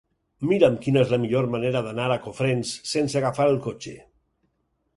Mira'm quina és la millor manera d'anar a Cofrents sense agafar el cotxe.